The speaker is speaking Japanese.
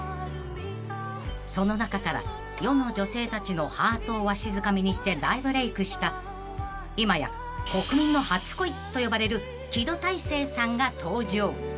［その中から世の女性たちのハートをわしづかみにして大ブレークした今や「国民の初恋」と呼ばれる木戸大聖さんが登場］